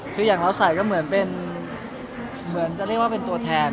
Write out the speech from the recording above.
คืออย่างเราใส่ก็เหมือนเป็นตัวแทน